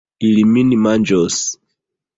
Ili min manĝos.